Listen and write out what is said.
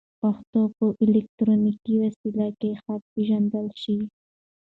پښتو به په الکترونیکي وسایلو کې ښه وپېژندل شي.